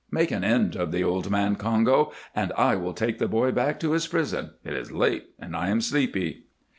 Make an end of the old man, Congo, and I will take the boy back to his prison. It is late and I am sleepy."